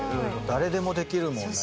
誰でもできるもんね。